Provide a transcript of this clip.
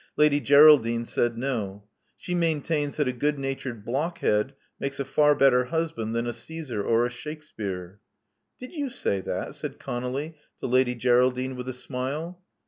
Lady Geraldine said no. She maintains that a good natured block head makes a far better husband than a Caesar or a Shakspere." Did you say that?" said ConoUy to Lady Geraldine, with a smile.